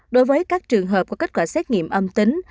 đối với các trường hợp có kết quả xét nghiệm âm tính